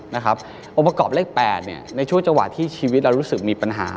องค์ประกอบเลข๘ในช่วงจังหวะที่ชีวิตเรารู้สึกมีปัญหา